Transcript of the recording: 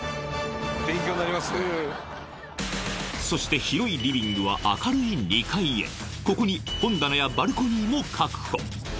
そして広いリビングは明るい２階へここに本棚やバルコニーも確保